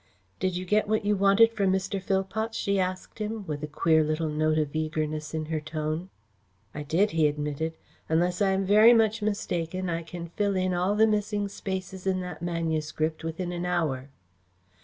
"Did you get what you wanted from Mr. Phillpots?" she asked him, with a queer little note of eagerness in her tone. "I did," he admitted. "Unless I am very much mistaken, I can fill in all the missing spaces in that manuscript within an hour.